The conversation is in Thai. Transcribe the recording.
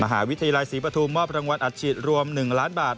มหาวิทยาลัยศรีปฐุมมอบรางวัลอัดฉีดรวม๑ล้านบาท